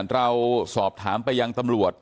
เราสอบถามไปยังตำรวจ